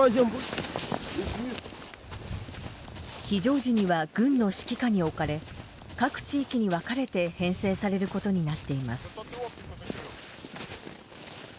非常時には軍の指揮下に置かれ各地域に分かれて編成されることになっています。